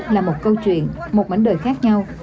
là một câu chuyện một mảnh đời khác nhau